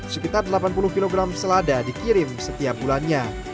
sekitar delapan puluh kg selada dikirim setiap bulannya